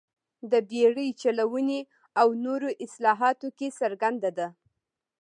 د بېړۍ چلونې او نورو اصلاحاتو کې څرګنده ده.